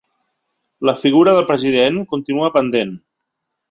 La figura del president continua pendent.